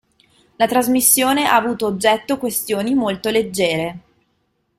La trasmissione ha avuto oggetto questioni molto leggere.